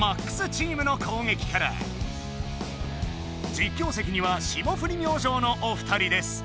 実況席には霜降り明星のお二人です。